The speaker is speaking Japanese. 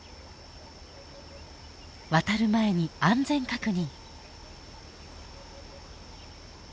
渡る前に安全確認。